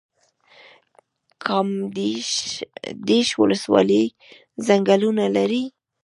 کامدیش ولسوالۍ ځنګلونه لري؟